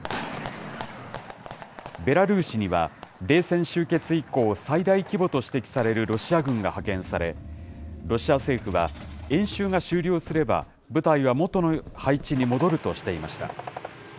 ベラルーシには、冷戦終結以降、最大規模と指摘されるロシア軍が派遣され、ロシア政府は、演習が終了すれば、部隊は元の配置に戻るとしていました。